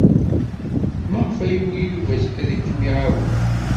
Maɣef ay yugi Yuba ad kem-iɛawen?